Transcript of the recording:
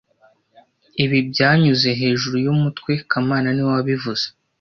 Ibi byanyuze hejuru yumutwe kamana niwe wabivuze